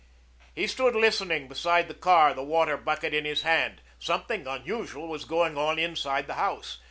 He stood listening beside the car, the water bucket in his hand. Something unusual was going on inside the house.